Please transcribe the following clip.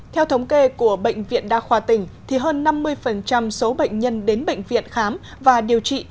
theo thống kê của bệnh viện đa khoa tỉnh hơn năm mươi số bệnh nhân đến bệnh viện khám và điều trị